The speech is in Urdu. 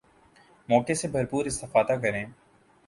موقع سے بھرپور استفادہ کریں